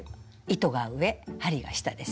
糸が上針は下です。